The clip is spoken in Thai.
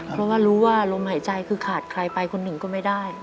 เพราะว่ารู้ว่าลมหายใจคือขาดใครไปคนหนึ่งก็ไม่ได้